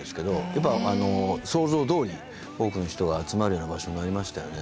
やっぱ想像どおり多くの人が集まるような場所になりましたよね。